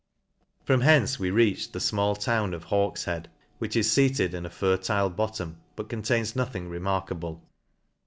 From hence we reached the fmall town of Hawkf head, which is feated in a fertile bottom, but con tains nothing remarkable.